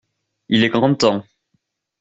Il est grand temps.